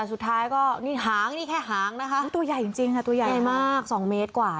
สุดท้ายก็นี่หางนี่แค่หางนะคะตัวใหญ่จริงค่ะตัวใหญ่มาก๒เมตรกว่า